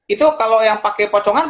itu kalau yang pakai pocongan